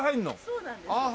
そうなんですよ。